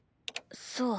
そう。